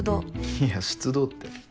いや出動って。